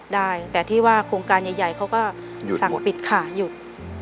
ได้แต่ที่ว่าโครงการใหญ่เขาก็สั่งปิดค่ะหยุด